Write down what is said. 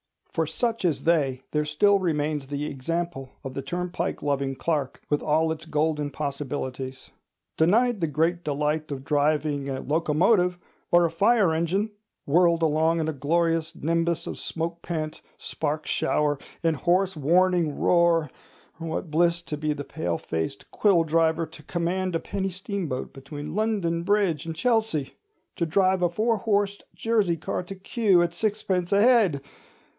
For such as they there still remains the example of the turnpike loving clerk, with all its golden possibilities. Denied the great delight of driving a locomotive, or a fire engine—whirled along in a glorious nimbus of smoke pant, spark shower, and hoarse warning roar—what bliss to the palefaced quilldriver to command a penny steamboat between London Bridge and Chelsea! to drive a four horsed Jersey car to Kew at sixpence a head!